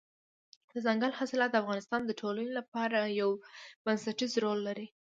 دځنګل حاصلات د افغانستان د ټولنې لپاره یو بنسټيز رول لري.